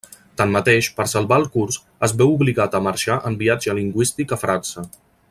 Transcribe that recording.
Tanmateix, per salvar el curs, es veu obligat a marxar en viatge lingüístic a França.